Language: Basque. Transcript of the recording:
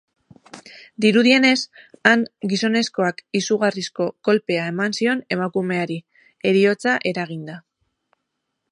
Dirudienez, han, gizonezkoak izugarrizko kolpea eman zion emakumeari, heriotza eraginda.